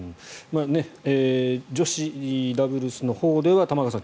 女子ダブルスのほうでは玉川さん